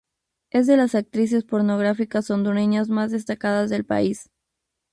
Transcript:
Es de las actrices pornográficas hondureñas más destacadas del país.